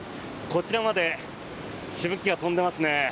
こちらまでしぶきが飛んでますね。